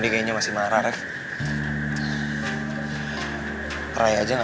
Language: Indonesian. sebelumnya kita sedang sampe berangkat